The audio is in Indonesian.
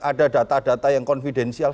ada data data yang confidensial